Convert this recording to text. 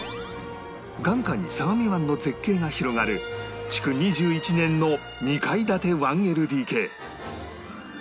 眼下に相模湾の絶景が広がる築２１年の２階建て １ＬＤＫ